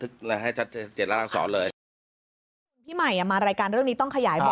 เกิดล่ะอ่ะเกิน